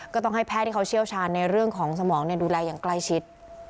ก็ต้องให้แพทย์ที่เขาเชี่ยวชาญในเรื่องของสมองดูแลอย่างใกล้ชิด